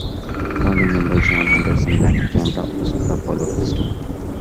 Founding member John Henderson left Camera Obscura following this tour.